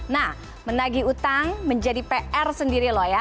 nah menagih utang menjadi pr sendiri loh ya